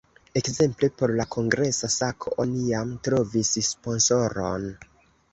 Ekzemple por la kongresa sako oni jam trovis sponsoron.